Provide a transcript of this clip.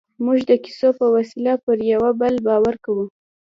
موږ د کیسو په وسیله پر یوه بل باور کوو.